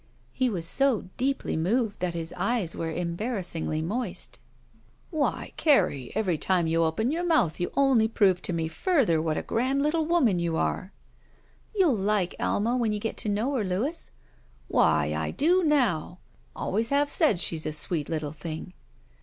He was so deeply moved that his eyes were embarrassingly moist. *'Why, Carrie, every time you open your mouth you only prove to me further what a grand little woman you are !"*' You'll like Alma, when you get to know her, Louis." Why, I do now! Always have said she's a sweet little thing."